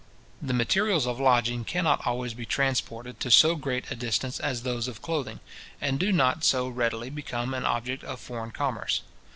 The materials of lodging cannot always be transported to so great a distance as those of clothing, and do not so readily become an object of foreign commerce.